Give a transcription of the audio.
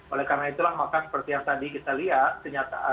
oleh karena itulah maka seperti yang tadi kita lihat